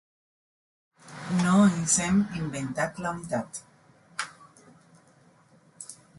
No ens hem inventat la unitat.